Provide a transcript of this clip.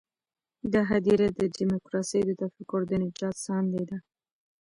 دا هدیره د ډیموکراسۍ د تفکر د نجات ساندې ده.